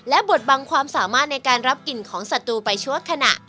และบทบังความสามารถในการรับกลิ่นของศัตรูไปชั่วขณะ